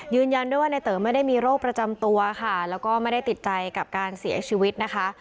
ยืนยันด้วยว่าในเต๋อไม่ได้มีโรคประจำตัวค่ะแล้วก็ไม่ได้ติดใจกับการเสียชีวิตนะคะ